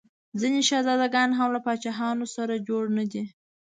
ځیني شهزاده ګان هم له پاچا سره جوړ نه دي.